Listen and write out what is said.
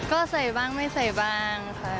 ก็ใส่บ้างไม่ใส่บ้างค่ะ